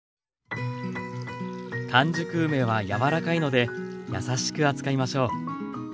完熟梅は柔らかいので優しく扱いましょう。